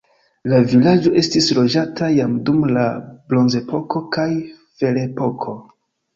La vilaĝo estis loĝata jam dum la bronzepoko kaj ferepoko.